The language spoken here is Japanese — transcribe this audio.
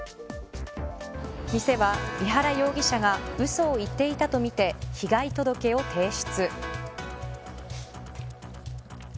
店は井原容疑者がうそを言っていたとみて被害届を提出。